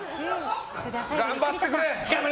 頑張ってくれ！